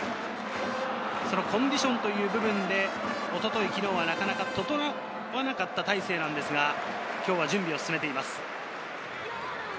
コンディションという部分で、おととい、昨日は整わなかった大勢ですが、今日は準備を進めています。